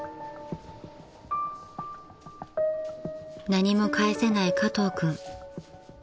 ［何も返せない加藤君］